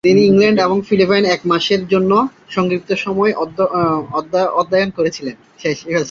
তিনি ইংল্যান্ড এবং ফিলিপাইনে এক মাসের জন্য সংক্ষিপ্তসময় অধ্যয়ন করেছিলেন।